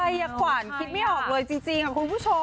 ใครอ่ะขวัญคิดไม่ออกเลยจริงคุณผู้ชม